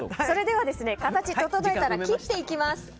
それでは形を整えたら切っていきます。